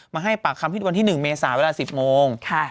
มาให้ปากคำที่วันที่หนึ่งเมษาเวลาสิบโมงค่ะ